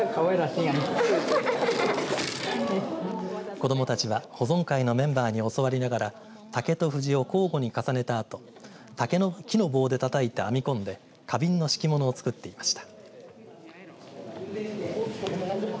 子どもたちは保存会のメンバーに教わりながら竹と藤を交互に重ねたあと木の棒で叩いて編み込んで花瓶の敷き物を作っていました。